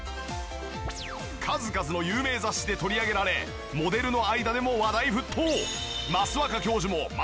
数々の有名雑誌で取り上げられモデルの間でも話題沸騰！